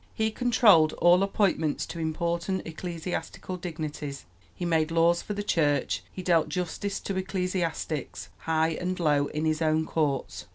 He controlled all appointments to important ecclesiastical dignities; he made laws for the Church; he dealt justice to ecclesiastics, high and low, in his own courts.